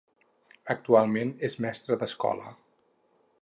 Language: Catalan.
Actualment és mestra d'escola.